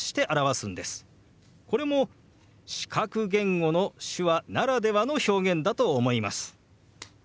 これも視覚言語の手話ならではの表現だと思います。